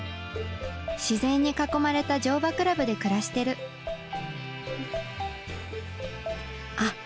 自然に囲まれた乗馬クラブで暮らしてるあっ